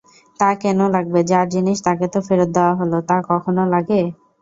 তা কেন লাগবে- যার জিনিস তাকে তো ফেরত দেওয়া হল, তা কখনও লাগে?